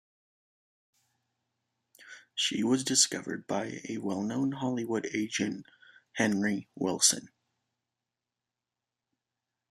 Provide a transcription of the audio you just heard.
She was discovered by the well-known Hollywood agent Henry Willson.